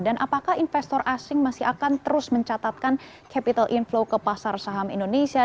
dan apakah investor asing masih akan terus mencatatkan capital inflow ke pasar saham indonesia